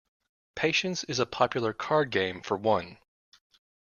Patience is a popular card game for one